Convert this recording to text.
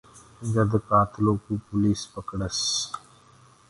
جد ڪآتلو ڪوُ پوليس پڪڙس۔